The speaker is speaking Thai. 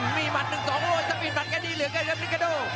มีมัน๑๒โอ้โหสปีนมันก็ดีเหลือก็เริ่มลิคาโด